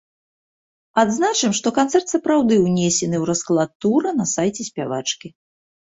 Адзначым, што канцэрт сапраўды ўнесены ў расклад тура на сайце спявачкі.